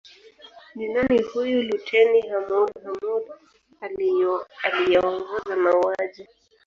Ni nani huyu Luteni Hamoud Hamoud aliyeongoza mauaji